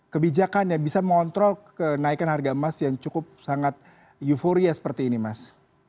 kebijakan yang bisa mengontrol kenaikan harga emas yang cukup sangat euforia seperti ini mas